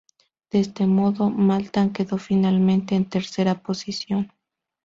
De este modo, Malta quedó finalmente en tercera posición.